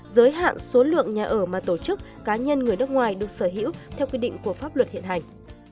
giới hạn số lượng nhà ở mà tổ chức cá nhân người nước ngoài được sở hữu theo quy định của pháp luật hiện hành